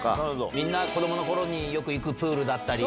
みんな子供の頃によく行くプールだったり。